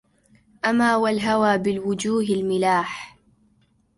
أما والهوى بالوجوه الملاح